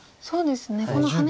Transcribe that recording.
そうですね